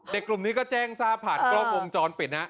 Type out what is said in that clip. กลุ่มนี้ก็แจ้งทราบผ่านกล้องวงจรปิดนะ